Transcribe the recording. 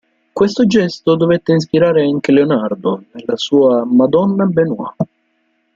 Questo gesto dovette ispirare anche Leonardo, nella sua "Madonna Benois".